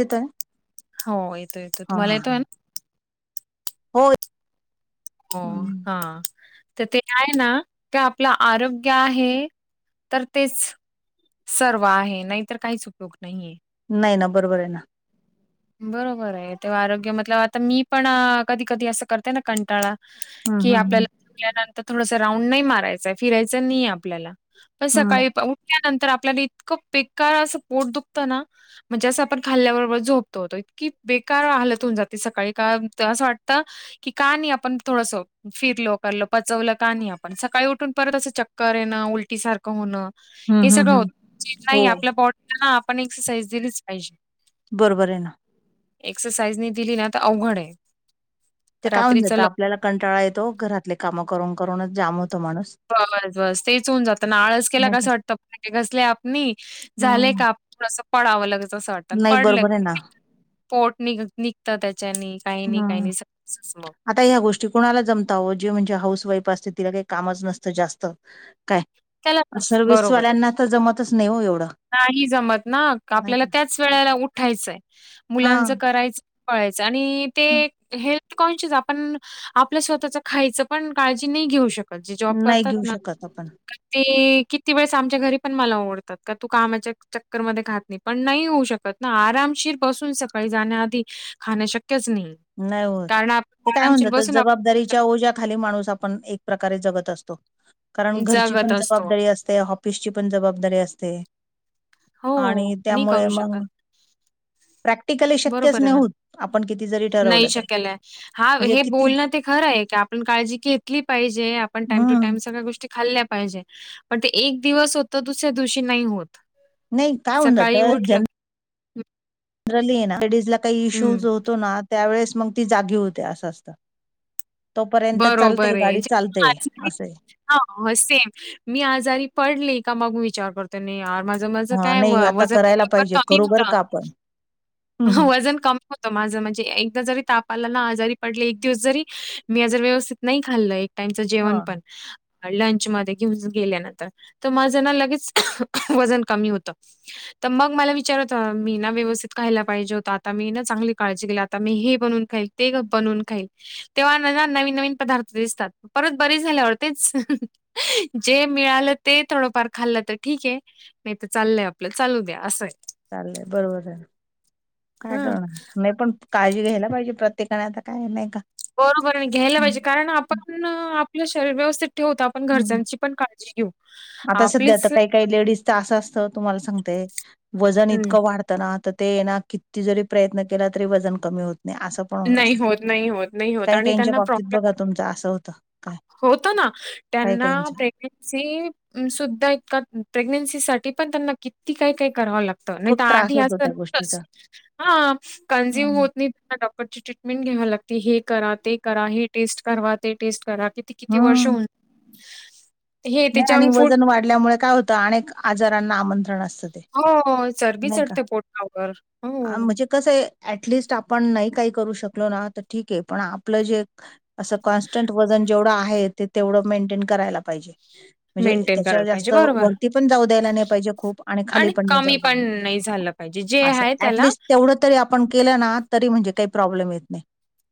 तिथं येतोय येतोय हा तुम्हाला हा येतोय न हो हो हा तर ते आहे ना ते आपलं आरोग्य आहे. तर तेच सर्व आहे, नाहीतर काहीच उपयोग नाहीये. नाही न बरोबर आहे न बरोबर आहे तेव्हा आरोग्य मतलब आता मी पण कधी कधी असं करते न कंटाळा. कि हम्म आपल्याला हम्म जेवल्यानंतर थोडस राऊंड नाही मारायचंय फिरायचं नी आपल्याला. आपण हम्म सकाळी पा उठ उठल्यानंतर आपल्याला इतकं बेकार असं पोट दुखतं ना म्हणजे असं आपण खाल्ल्याबरोबर झोप तो त इतकी बेकार हालत होऊन जाते सकाळी का असं वाटतं की का नी आपण थोडस फिरलो करल पचवलं का नाही आपण सकाळी उठून परत असं चक्कर येणं, उलटी सारखं होणं. हे हम्म सगळं हम्म होत हम्म हो नाही [unintelligible] आपल्या बॉडीला ना आपण एक्सरसाइज दिलीच पाहिजे. बरोबर आहे न एक्सरसाइज नी दिली न ते अवघड आहे. ते काय होऊन रात्रीचं जातं आपल्याला कंटाळा येतो घरातले कामं करून करूनच जाम होत माणूस. बस बस तेच होऊन जातं न आळस केला का असं वाटतं भांडे घासले आपनी झाले हम्म काम थोडंस पडावं लगेच असं वाटतं आणि नाही पडलं बरोबर आहे ना पोट निघ निघत त्याच्यानी काही नाही काही हम्म नाही समजतच मग आता ह्या गोष्टी कोणाला जमत आवो जे म्हणजे हाऊस वाईफ असते तिला काही कामच नसतं जास्त काय त्याला ते बरोबर आहे. सर्विसवाल्यांना तर जमतच नाही हो एवढं. नाही जमत ना नाही आपल्याला का त्याच वेळेला उठायचंय हा मुलांचं करायचं करायच आणि ते हं. हे ती कोणचीच आपण आपल्या स्वतःच खायचं पण काळजी नाही घेऊ शकत नाही घेऊ शकत आपण क ते किती वेळेस आमच्या घरी पण मला ओरडतात का तू कामाच्या चक्करमध्ये खात नाही पण नाही होऊ शकत ना आरामशीर बसून सकाळी जाण्याआधी खाणं शक्यच नाही नाही होत कारण ते आपण काय होऊन आरामशीर जात बसून आपण जबाबदारीच्या ओज्या खाली माणूस आपण एक प्रकारे जगत असतो कारण घरची जगत पण असतो. जबाबदारी असते ऑफ ऑफिसची पण जबाबदारी असते हो, आणि नाही त्यामुळे करू मंग. शकत. प्रॅक्टिकली शक्यच बरोबर आहे नाही ना. होत आपण किती जरी नाही ठरवलं तर. शक्य ल हा म्हणजे हे किती बोलणं ते खरं आहे की आपण काळजी घेतली पाहिजे आपण टाइम टू हं. टाइम स गळ्या गोष्टी खाल्ल्या पाहिजे पण ते एक दिवस होत दुसऱ्या दिवशी नाही होत. नाही काय होऊन सकाळी जातं उठलं जन हं, जनरली ना लेडीज ला काही हं, इश्यूज होतो ना त्यावेेळेस मग ती जागी होते असं असतं. तोपर्यंत चालते गाडी चालते असे ह हो सेम मी आजारी पडले का मग विचार करते तर नाही माझं माझं हां, काय नाही आता वजन करायला ही खूप पाहिजे, कमी करू बरं होतं का आपण. हं वजन कम होत माझं म्हणजे एकदा जरी ताप आला ना आजारी पडले एक दिवस जरी मी जर व्यवस्थित नाही खाल्ल एक टाईमच जेवण हां, पण लंच मध्ये घेऊन गेल्यानंतर तर माझं ना खहं खहं लगेच वजन कमी होतं. तर मग मला विचार येतो मी ना व्यवस्थित खायला पाहिजे होत आता मी ना चांगली काळजी घेईल आता मी हे बनवून खाईल ते बनवून खाईल तेव्हा न का नवीन नवीन पदार्थ दिसतात परत बरी झाल्यावर तेच. अहं जे मिळालं ते थोडंफार खाल्लं तर ठीक हे. नाहीं तरं चाललंय आपलं चालूं द्या असंय चालेल बरोबर आहे काय हा करणार नाही पण काळजी घ्यायला पाहिजे प्रत्येकांने आता काय नाही कां बरोबर आहे घ्यायला पाहिजे कारण आपण आपलं शरीरं व्यवस्थित ठेवतो आपणं हं. घरच्यांची पण काळजी घेऊं आता सध्या तर काही काही लेडीज तर असं असतं तुम्हाला सांगते वंजन हम्म इतकं वाढतं त ना तर ते हाय ना किती जरी प्रयत्न केला तरी वजन कमी होत नाही असं पण नाही असं होत, नाही होत, नाही होत काही आणि काहींच्या त्यांना बाबतीत प्रॉब्लेम बघा त्यांच असं होतं काय होतं ना काही त्यांनां काहींच्या प्रेगनेन्सी पण सुद्धा इतका प्रेग्नेन्सी साठी पण त्यांनां किती काही काही करावं लागतं तर नाही खूप का त्रास आधी होतो असंच त्या गोष्टीचा होतच हा कंझ्युंम हम्म. होतं नाहीं परत परत ती ट्रीटमेंट घ्यावी लागंते हे करा ते करा हे टेस्ट करवा ते टेस्ट करा किती किती वर्ष हम्म. होऊन [unintelligible] ते नाही आणि जंक फूड वजन वाढल्यामुळे काय होतं अनेक आजारांना आमंत्रण असतं ते हो चरबी नाही का? चढते पोटावर आ, हम म्हणजे कसं आहे ऍटलिस्ट आपण नाहीं काही करू शकलो ना तर ठीक आहे पण आपलं जे असं कॉन्स्टंट वंजन जेवढं आहे ते तेवढं मेंटेन करायलां पाहिजे म्हणजे मेंटेन करायला त्यांच्यावर पाहिजे. जास्तं बरोबर वरती पणं जाऊं द्यायलां नाहीं पाहिजे खूंप आणि खांली पणं नाहीं कमी जाऊं पण द्यायलां नाही झालं पाहिजे. जे असं आहे त्याला ऍटलिस्ट तेवढं तरी आपणं केलं नां तरी म्हणजे कांहीं प्रॉब्लेम येतं नाहीं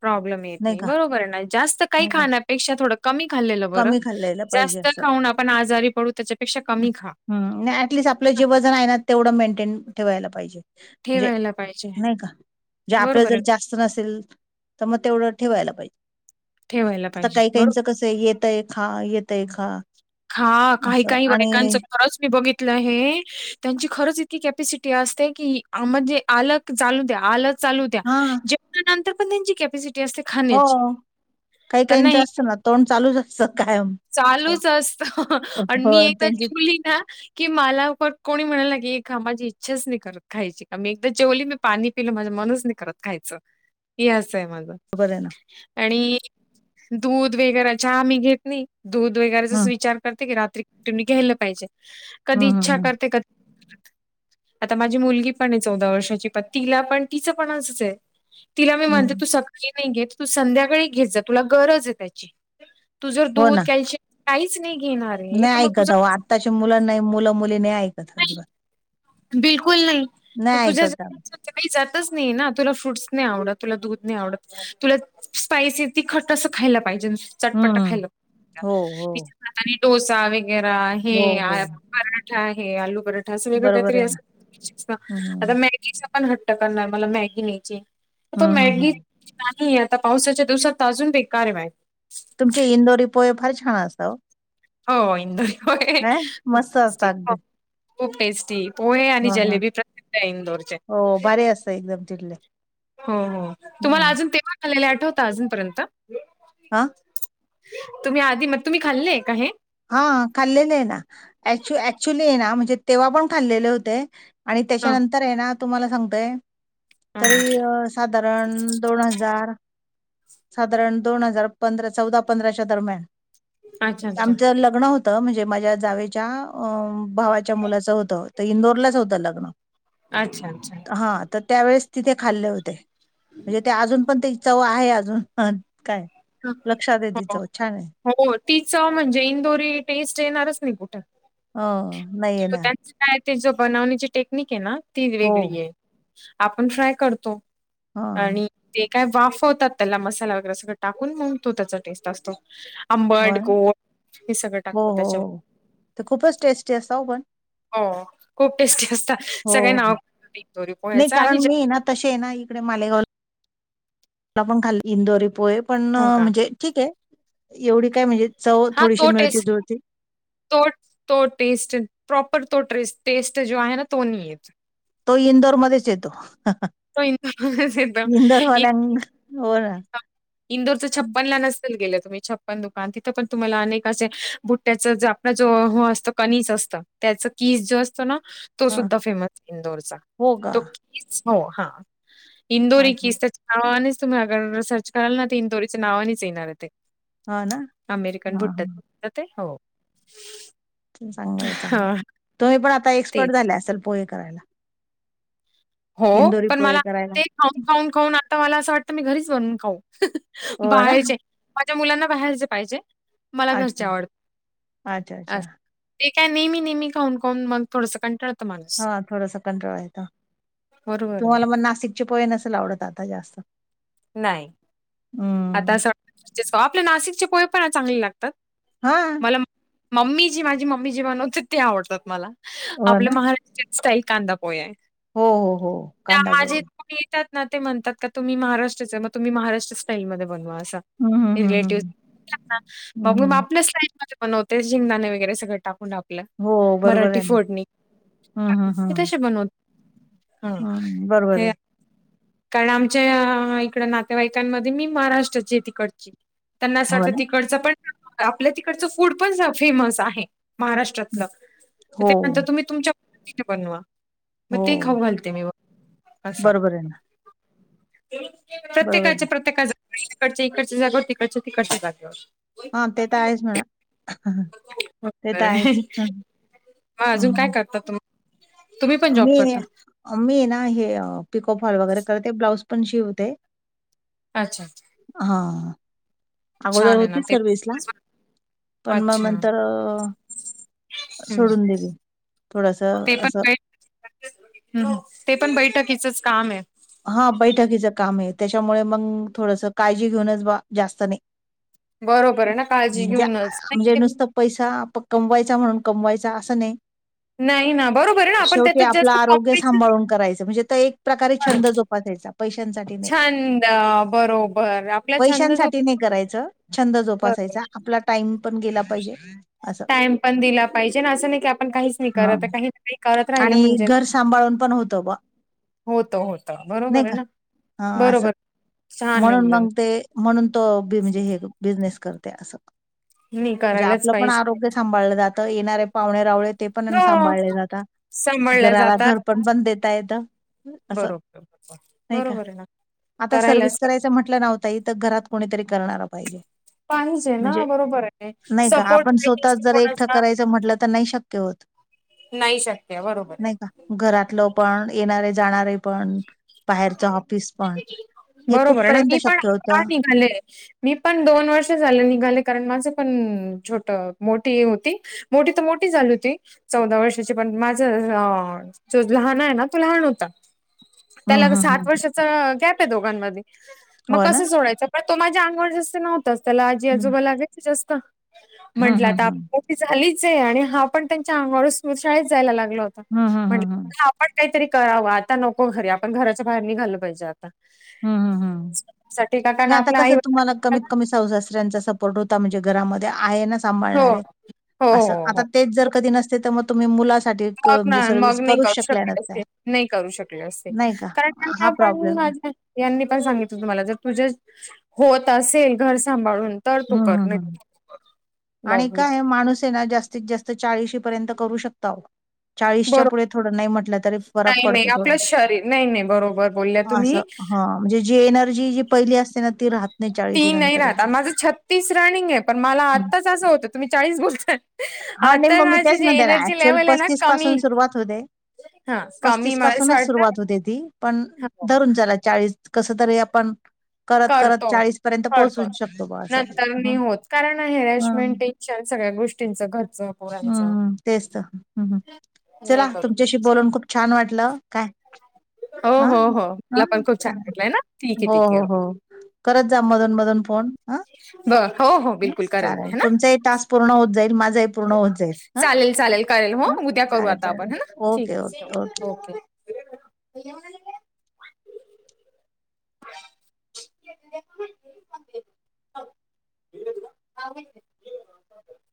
प्रॉब्लेम येतं नाहीं बरोबर नां जास्तं कांहीं नाही का? खाण्यांपेक्षा थोडं कमी खाल्लेलं बरं कमी खाल्लेलं पाहिजे जास्तं असं. खाऊंन आपणं आजांरी पडूं त्यांच्यापेक्षा कमी खा हं एटलीस्ट आपलं जे वंजन आहे नां तेवढं मेंटेन ठेवायलां पाहिजे म्हणजे ठेवायला पाहिजे नाहीं कां म्हणजे आपल्यां बरोबर आहे जरं जास्तं नसेलं तरं मंग तेवढं ठेवायलां पाहिजे ठेवायला आतां पाहिजे कांहीं बरोबर काहींचं कसं येतंय आहे खां येतंय आहे खां हां कांहीं कांहीं बाईकांचं खरंच मी बघितं तलं हे त्यांची खरंच इंतकी कॅपिसिटी असतें की म्हणजे आलं की चालूं द्यां आलं चालूं द्या हां. जेवल्यानंतर पणं त्यांची कॉपीसीटी असतें हो काहीं काहीचं असतं ना तोंड चालूचं असतं कायमं. चालूंचं असतं आणि मी एकदां त्यांचीच जेवली नां कि मलां पणं कोणी म्हंणाल हे खां माझी इच्छांच नाहीं करतं खांयची कां मी एकदां जेवली ना पाणी पिलं माझं मनचं नाहीं करतं खांयचं हे असं आहे माझं बरं नां आणि दूधं वेगैरें चहां मी घेतं नाहीं दूध वगैरेंचा हं. जसं विचांर करतें की रात्रीचे मी घ्यायंला पाहिजे कधीं हं, हं, इच्छां हं, करतें कधीं [unintelligible] आतां मांझी मुलंगी पणं आहे चौदा वर्षांची पणं तिलां पणं तिचं पणं असचं आहे तिलां मी म्हणते हं. तूं सकाळीं नाहीं घेतं तूं संध्याकांळी घेतं जां तुलां गरंज आहे त्यांची तु जर दूधं कॅल्शियम काहींचं नाहीं घेणारं नाहीं ऐकतं अव आत्ताचे मुलांना मुलं मुली नाहीं ऐकतं अजिबातं बिलकुंल नाहीं तुझ्यां अहो. [unintelligible] कांहीं जायतचं नाहीं नां तुलां फ्रूटस नाहीं आवडतं तुलां दूधं नाहीं आवडतं तुलां स्पायंसी तीखट अस खांयला पाहिजे चटपट हं. खांयला [unintelligible] हो, हो. आतां आणि डोसां वगैरे हे हो, हो. पराठां आहे आलू पराठा असं वेगळं काही बरोबर आहे ना. [unintelligible] आतां हं. मॅगीचां पणं हंट्ट करणारं मला मॅगी न्यायची आहे [unintelligible] हं, हं, मॅगी हं. नाहीं आतां पावसांच्या दिवसांत अजूंन बेकांर आहे मॅगी तुमंचे इंदोरी पोहे फांर छान असतां हो हो इंदोरी पोहे काय? मस्त खूपचं असतात [unintelligible] अगदी. खूंप टेस्टी पोहे आणि हां, हां. जलेबी प्रसिद्ध आहे इंदोरचे. हो, भारी असतं एकदम [unintelligible] हो हो तुम्हाला हं. अजून तेव्हा झालेले आठवत अजूनपर्यंत हां? तुम्ही आधी मग तुम्ही खाल्लेय का हे, हा खाल्लेले आहे ना एक् ऍक्च्युली आहे ना म्हणजे तेव्हा पण खाल्लेले होते. आणि हां त्यांच्यानंतर आहे नां तुम्हांला सांगतेय हां तरी अं साधारण दोन हजार साधारण दोन हजार पंधरा चौदा पंधराच्या दरम्यान अच्छा अच्छा आमचं लग्न होत होतं म्हणजे माझ्या जावेच्या अ भावाच्या मुलाचं होतं तर इंदोरलाच होतं लग्न. अच्छा अच्छा हा तर त्यावेेळेस तिथे खाल्ले होते म्हणजे ते अजून पण ते चव आहे. अजून [unintelligible] काय. लक्षात [unintelligible] आहे ती हो चव छान आहे हो ति चव म्हणजे इंदोरी टेस्ट येणारच नाही कुठे. हं नाहीय येणा. काय ते जो बनवण्याची टेक्निक हे ना ती हो वेगळी आहे, आपण फ्राय करतो. हां आणि ते काय वाफवतात त्याला मसाला वगैरे सगट टाकून मगं तो त्याचा टेस्ट असतो आंबट, पण गोड हे सगळं हो, टाकतो हो, त्याच्या म हो ते खूपच टेस्टी असाव पण, हो खूप टेस्टी असतात हो सगळे हो. नाव ती दोरी पोह्याच आणि [unintelligible] तशे ना इकडं मालेगावला ला पण खाल्ली इंदोरी पोहे पण हो अं का म्हणजे ठीके एवढी काय म्हणजे चव हा थोडीशी तो मिळती टेस् जुळती तो, तो टेस्ट प्रॉपर तो ट्रेरेस, टेस्ट जो आहे ना तो नाही येत. तो इंदोरमध्येच येतो हं हं. तो इंदूरमध्ये येतो. इ हो ना हा इंदोरचं छप्पन ला नसेल गेल्या तुम्ही, छप्पन दुकान तिथं पण तुम्हाला अनेक असे बुट्याचं जा तो जो हो असतं कनिस असतं त्याच किस जो असतं ना तो हा सुद्धा फेमस इंदोरचा, हो का तो कीस हो हा इंदोरी अच्छा किस नावानेच तुम्ही अगर सर्च कराल ना, ते इंदोरीच्या नावानेच येणार आहे ते हा ना अमेरिकनं हा भुट्टत हा ते हो. चांगलंय, चांगल हां, तुम्ही पण आता ते. एक्सपर्ट झाले असाल पोहे करायला. हो, इंदोरी पण पोहे मला करायला ते खाऊन, खाऊन, खाऊन आता मला असं वाटतं, मी घरीच बनून खाऊ हो ना बाहेरचे माझ्या मुलांना बाहेरचे पाहिजे, मला घरचे अच्छा आवड अच्छा अच्छा आस ते काय नेहमी, नेहमी खाऊन, खाऊन मग थोडंसं कंटाळत हा थोडसं कंनटाळा येतो, बरोबर आहे. तुम्हाला म नाशिकचे पोहे नसेल आवडत आता जास्त. नाही. हम.... आता असं वाटतं [unintelligible] आपले नाशिकचे पोहे पण चांगले लागतात. हा मं, मम्मी जी माझी मम्मी जे बनवते ते आवडतात मला हो आपले ना महारा [unintelligible] स्टाईल कांदा पोहे आहे, हो हो हो त्या कांदा पोहे माझी [unintelligible] त्यात ना ते म्हणतात का तुम्ही महाराष्ट्राचे म तुम्ही, महाराष्ट्र स्टाईल मध्येच बनवा असा हम्म, हम्म, हम्म, रिलेटिव्ह हम्म. मग हम्म, मी म हम्म. आपल्याच स्टाईल मध्ये बनवते, जिंगदाणे वगैरे सगळं टाकून, टाकु [unintelligible] हो बरोबर मराठी आहे ना फोडणी हम्म, हम्म, ते हम्म. कशे बनवत हं, हम्म, बरोबर हे आहे कारण आमच्या आ इकडं नातेवाईकां मध्ये मी महाराष्ट्राची ये तिकडची, त्यांना असं हो वाटत ना तिकडचं पण आपल्या तिकडचं फूड पण फेमस आहे. महाराष्ट्रातलं तर हो त्यानंतर तुम्ही तुमच्या पध्दतीने बनवा. म ते हो खाऊ घालते मी असं बरोबर आहे ना, बरोबर आहे. प्रत्येकाच्या प्रत्येका जाग [inaudible] इकडच्या इकडच्या जागं, तिकडच्या तिकडच्या जागं- हा ते तर आहेच म्हणा, ते तर आहेच. म अजून काय हं. करतात तुम्ही? तुम्ही पण जॉब मी ऐ, करता मी ना हे पिको फाॅल वगैरे करते, ब्लाऊज पण शिवते. अच्छा्. हां. अगोदर आहे ना होती ते सर्विसला, पण मग अच्छा नंतर हम्म सोडून दिली, थोडस ते पण असं बै हम्म, ते पण बैठकीचच काम हाय. हा बैठकीचं काम हाय, त्याच्यामुळे मग थोडंस काळजी घेऊनच बा जास्त नाही. बरोबर आहे ना, काळजी म्हणजे घेऊनच. म्हणजे नुसतं पैसा कमवायचा म्हणून कमवायचा, असं नाही. नाही ना बरोबर आहे ना आपण शेवटी त्याच्यात आपलं जास्त आरोग्य कॉम्प्रिस सांभाळून करायचं, म्हणजे आता एक प्रकारे छंद जोपासायचा पैशांसाठी नाही, छंद बरोबर आपला छंद जो पैशांसाठी नाही करायचं. छंद जोपासायचा बरोबर आपला टाइम पण गेला पाहिजे. असं टाइम पण दिला पाहिजे ना, असं नाही की आपण काहीच नाही ह करत. काही काही करत राहिलं आणि म्हणजे घर सांभाळून पण होतं बा. होत, होत बरोबर नाही आहे का ना, ह असं बरोबर. छान म्हणून एकदम मग ते, म्हणून तो म्हणजे हे बिझनेस करते असं. नाही जे, करायलाच आपलं पण पाहिजे आरोग्य सांभाळलं जातं. येणारे पाहुणे रावळे ते पण हो सांभाळले जातात. सांभाळल्या घराला जातात घरपण पण देता येत. बरोबर, बरोबर हेय ना. आता सर्व्हिस करायलाच करायचं म्हटलं ना वो ताई, तर घरात कोणीतरी करणार पाहिजे. पाहिजे ना म्हणजे, बरोबर आहे नाही का सपोर्ट आपण पाहिजे स्वतःता जर एकटं कोणाचा करायचं म्हटलं तर नाही शक्य होत. नाही शक्य, बरोबर. नाही का घरातलं पण, येणारे जाणारे पण, बाहेरच ऑफिस पण. हे बरोबर आहे ना, कुठपर्यंत मी पण शक्य आता होतं? निघाले. मी पण दोन वर्ष झाले निघाले, कारण माझ पण छोट मोठी ही होती. मोठी तर मोठी झाली होती. चौदा वर्षाची पण, माझ जो लहान आहे ना तो लहान होता. हं, त्याला तर हं, सात हं. वर्षाच गॅप आहे दोघांणमध्ये, मग हो ना? कसं सोडायचं. पण तो माझ्या अंगावर जास्त नव्हताच, त्याला आजी- हं. आजोबा लागायचं जास्त, हं, म्हंटलं हं, तर हं. आपण झालीच आहे, आणि हा पण त्यांच्या अंगावर स्कूल शाळेत जायला लागला होता. हं, हं, हं, म्हटलं हं. पण काहीतरी करावं, आता नको घरी आपण घराच्या बाहेर निघालं पाहिजे आता. हम्, हम्, ह् साठी का कारण नाही आता आपल्या कस आई तुम्हाला कमीत सासू-सासऱ्यांचा सपोर्ट होता म्हणजे घरामध्ये आहे ना हो सांभाणारे, हो अस हो आता हो तेच जर कधी नसते तर मग तुम्ही मुलांसाठी मग ना म्हणजे सर्व्हिस मग नाही करूच करू शकल्या शकले नसत्या, असते नाही करू शकले असते नाही का. कारण हा त्यांना पण प्रॉब्लेम माझ्या यांनी पण सांगितलं होतं मला, जर तुझे होत असेल घर सांभाळून तर तू हम्म, कर हम्, हम् नाही आणि मग मी काय माणूस हे ना जास्त जास्तीत -जास्त चाळीशी पर्यंत करू शकता अहो. चाळीसच्या बरोबर पुढे थोडं नाही म्हटलं तरी फरक नाही नाही पडत थोडा, आपलं शरीर नाही नाही बरोबर बोलल्या असं तुम्ही ह. म्हणजे जी एनर्जी जी पहिली असते ना ती राहत नाही चाळीशी ती नाही नंतर राहत, माझं छत्तीस रनिंग हाय पण मला आत्ताच असं होतं, तुम्ही चाळीस बोलताय. हा नाही आता मग मी माझी तेच जी म्हणते ना, एनर्जी ऍक्च्युअल लेवल आहे ना पस्तीस कमी पासून सुरुवात होते. हा कमी पस्तीस मला असं पासूनच वाटतं सुरुवात होते ती, पण धरून चला चाळीस. कस तरी आपण करत -करत करतो, चाळीस पर्यंत पोहोचू करतो. शकतो ब असं नंतर ह, नाही होत कारण हम्. हॅरॅशमेंट, सगळ्या गोष्टींचं घरचं पोरांचं. हम्म तेच तर हम्म, नाही चला करू. तुमच्याशी बोलून खूप छान वाटलं काय हो, हा हो, हो. हा मला पण खूप छान वाटलंय ना. ठीक आहे, हो ठीक आहे. हो हो. करत जा मधून मधून फोन ह बरं हो, हो बिलकुल करेल मी चालेल है ना. तुमचाही टास्क पूर्ण होत जाईल. माझाही पूर्ण हो जाईल चालेल, चालेल करेल हो. ह उद्या करू चालेल आता आपण चालेल है ना. ठीक ओके आहे, ठीक ओके ओके. [inaudible] [inaudible] [inaudible]